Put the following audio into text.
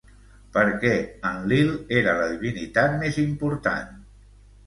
Per què Enlil era la divinitat més important?